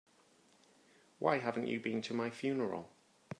Why haven't you been to my funeral?